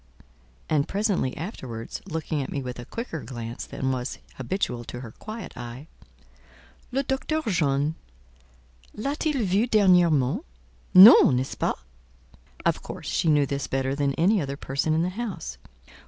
And presently afterwards, looking at me with a quicker glance than was habitual to her quiet eye, "Le Docteur John l'a t il vue dernièrement? Non, n'est ce pas?" Of course she knew this better than any other person in the house.